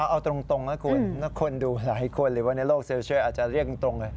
เอาตรงนะคุณคนดูหลายคนหรือว่าในโลกโซเชียลอาจจะเรียกตรงเลย